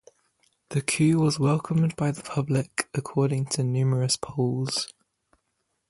The coup was welcomed by the public, according to numerous polls.